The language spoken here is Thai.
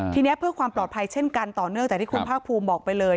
ทีนี้เพื่อความปลอดภัยเช่นกันต่อเนื่องจากที่คุณภาคภูมิบอกไปเลย